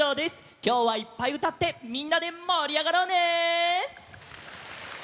きょうはいっぱいうたってみんなでもりあがろうね！